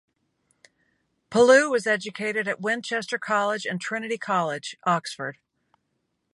Pellew was educated at Winchester College and Trinity College, Oxford.